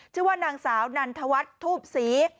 ชื่อว่านางสาวนันทวัฒน์ทูบศรี